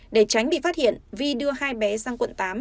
để tránh bị phát hiện vi đưa hai bé sang quận tám